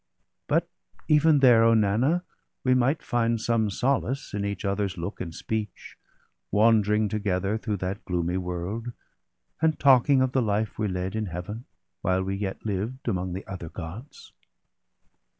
But even there, O Nanna, we might find I50 BALDER DEAD, Some solace in each other's look and speech, Wandering together through that gloomy world, And talking of the life we led in Heaven, While we yet lived, among the other Gods.'